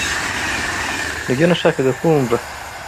Nibyo nashakaga kumva.